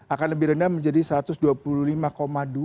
dua puluh lima akan lebih rendah menjadi satu ratus dua puluh lima dua pak